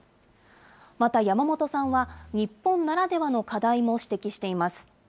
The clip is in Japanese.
また山本さんは、日本ならではの課題も指摘しています。